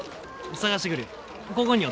捜してくるよ。